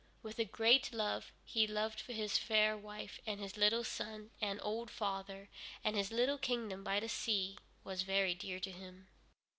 With a great love he loved his fair wife and little son and old father, and his little kingdom by the sea was very dear to him.